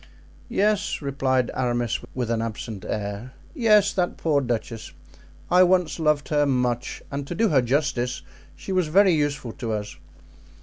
"Yes," replied Aramis, with an absent air; "yes, that poor duchess! I once loved her much, and to do her justice, she was very useful to us.